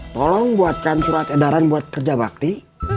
tolong buatkan surat edaran buat kerja bakti